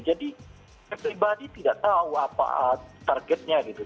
saya pribadi tidak tahu apa targetnya gitu